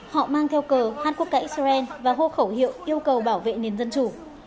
họ mang theo cờ hát quốc cãi xrn và hô khẩu hiệu yêu cầu bảo vệ nền dân chủ